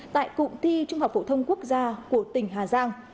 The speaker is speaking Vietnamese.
tại cụm thi trung học phổ thông quốc gia của tỉnh hà giang